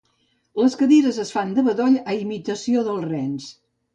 Les cadires es fan de bedoll a imitació dels rens.